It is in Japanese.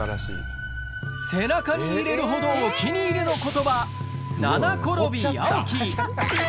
背中に入れるほどお気に入りの言葉「七転び八起き」